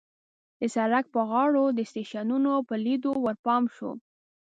د سړک په غاړو د سټېشنونو په لیدو ورپام شو.